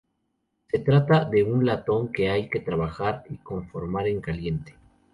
Se trata de un latón que hay que trabajar y conformar en caliente.